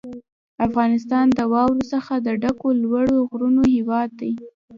افغانستان د واورو څخه د ډکو لوړو غرونو هېواد دی.